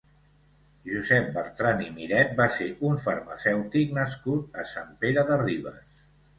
Josep Bertran i Miret va ser un farmacèutic nascut a Sant Pere de Ribes.